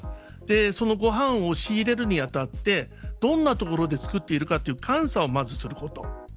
そのご飯を仕入れるにあたってどんなところで作っているかという監査をまず、すること。